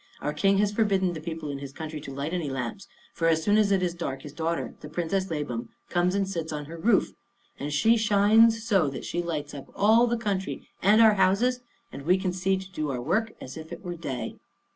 "Our king has forbidden the people in his country to light any lamps; for, as soon as it is dark, his daughter, the Princess Labam, comes and sits on her roof, and she shines so that she lights up all the country and our houses, and we can see to do our work as if it were day."